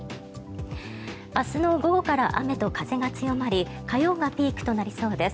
明日の午後から雨と風が強まり火曜がピークとなりそうです。